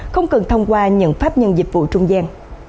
không cần thông qua những pháp nhân dịch vụ trung gian